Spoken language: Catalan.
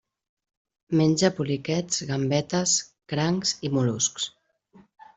Menja poliquets, gambetes, crancs i mol·luscs.